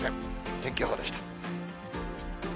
天気予報でした。